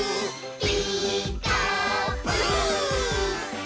「ピーカーブ！」